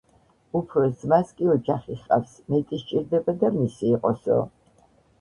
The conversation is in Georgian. უფროს ძმას კი ოჯახი ჰყავს, მეტი სჭირდება და მისი იყოსო.